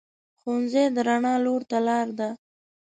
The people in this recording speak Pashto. ښوونځی د رڼا لور ته لار ده